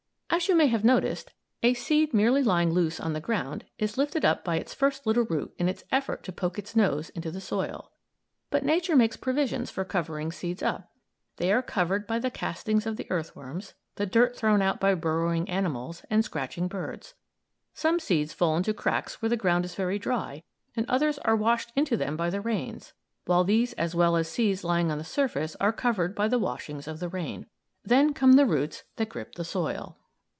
As you may have noticed, a seed merely lying loose on the ground is lifted up by its first little root in its effort to poke its nose into the soil. But Nature makes provisions for covering seeds up. They are covered by the castings of the earthworms, the dirt thrown out by burrowing animals and scratching birds. Some seeds fall into cracks where the ground is very dry and others are washed into them by the rains; while these as well as seeds lying on the surface are covered by the washings of the rain. Then come the roots that grip the soil.